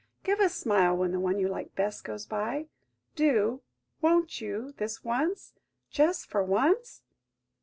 give a smile when the one you like best goes by. Do–won't you–this once–just for once?"